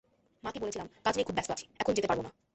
মাকে বলেছিলাম, কাজ নিয়ে খুব ব্যস্ত আছি, এখন যেতে পারব না।